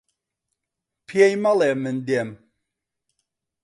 پێی مەڵێ من دێم.